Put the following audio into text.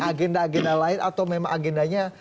agenda agenda lain atau memang agendanya